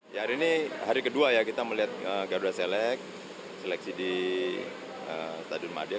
hari ini hari kedua kita melihat garuda select seleksi di stadion madya